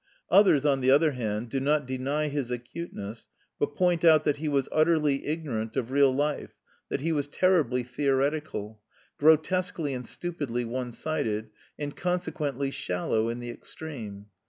Others, on the other hand, do not deny his acuteness, but point out that he was utterly ignorant of real life, that he was terribly theoretical, grotesquely and stupidly one sided, and consequently shallow in the extreme.